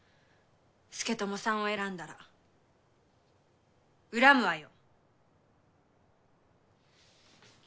佐智さんを選んだら恨むわよ。